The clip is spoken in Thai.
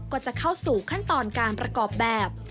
ก็จะเข้าสู่ขั้นตอนการประกอบแบบ